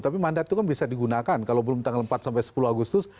tapi mandat itu kan bisa digunakan kalau belum tanggal empat sampai sepuluh agustus